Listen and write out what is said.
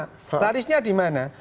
lama larisnya di mana